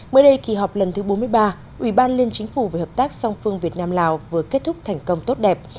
mới đây kỳ họp lần thứ bốn mươi ba ủy ban liên chính phủ về hợp tác song phương việt nam lào vừa kết thúc thành công tốt đẹp